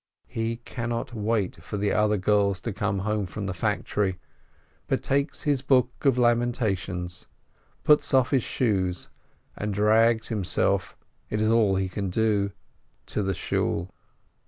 He cannot wait for the other girls to come home from the factory, but takes his book of Lamentations, puts off his shoes, and drags himself — it is all he can do — to the Shool.